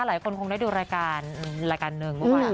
หลายคนคงได้ดูรายการรายการหนึ่งเมื่อวานนี้